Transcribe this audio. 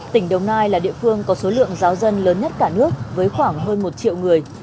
tỉnh đồng nai là địa phương có số lượng giáo dân lớn nhất cả nước với khoảng hơn một triệu người